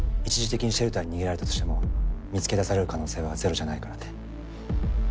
一時的にシェルターに逃げられたとしても見つけ出される可能性はゼロじゃないからね。